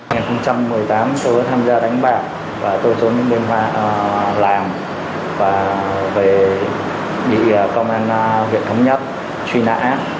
năm hai nghìn một mươi tám tôi đã tham gia đánh bạc và tôi trốn đến đây làm và về địa bàn công an huyện thống nhất truy nã